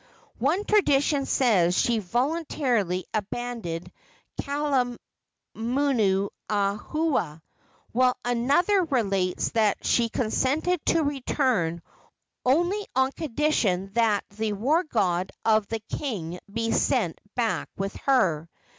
One tradition says she voluntarily abandoned Kalaunuiohua, while another relates that she consented to return only on condition that the war god of the king be sent back with her.